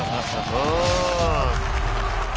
うん。